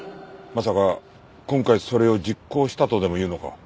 まさか今回それを実行したとでも言うのか？